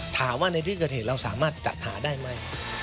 ถามว่าในที่กระเทศเราสามารถจัดหาได้มั้ย